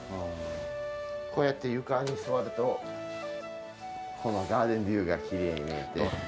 こうやって床に座ると、ガーデンビューがきれいに見えて。